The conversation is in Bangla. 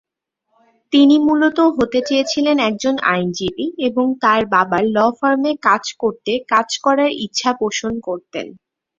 তিনি মূলত হতে চেয়েছিলেন একজন আইনজীবী এবং তার বাবার ল ফার্মে কাজ করতে কাজ করার ইচ্ছা পোষণ করতেন।